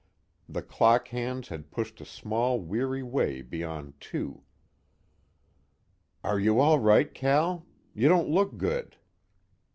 The clock hands had pushed a small weary way beyond two. "Are you all right, Cal? You don't look good."